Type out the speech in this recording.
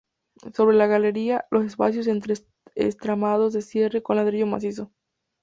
Sobre la galería, los espacios entre entramados se cierran con ladrillo macizo.